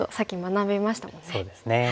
そうですね。